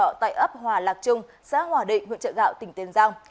họ tại ấp hòa lạc trung xã hòa định huyện chợ gạo tỉnh tiền giang